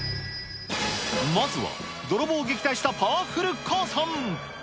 まずは泥棒を撃退したパワフル母さん。